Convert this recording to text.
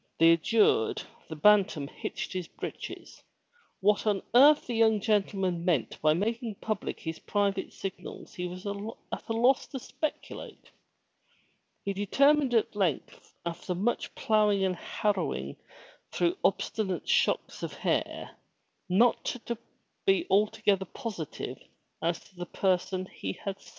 Thus adjured, the Bantam hitched his breeches. What on earth the young gentleman meant by making public his private signals he was at a loss to speculate. He determined at lengta after much ploughing and harrowing through obstinate shocks of hair, to be not altogether positive as to the person he had seen.